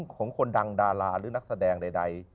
ของคนดังดาราหรือนักแสดงใด